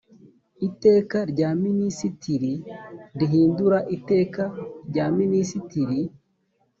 iteka rya minisitiri rihindura iteka rya minisitiri